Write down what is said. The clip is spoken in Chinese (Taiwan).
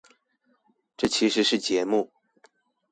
這其實是節目